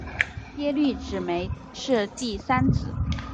耶律只没是第三子。